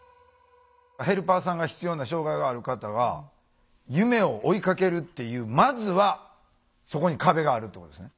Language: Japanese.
ヘルパーさんが必要な障害がある方が夢を追いかけるっていうまずはそこに壁があるってことですね。